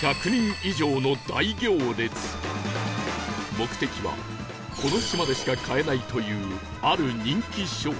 目的はこの島でしか買えないというある人気商品